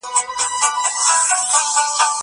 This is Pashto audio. زه به سبا انځور ګورم وم!!